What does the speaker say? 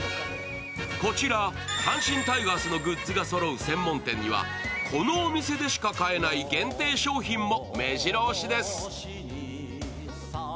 こちら阪神タイガースのグッズがそろう専門店にはこのお店でしか買えない限定商品もめじろ押しです。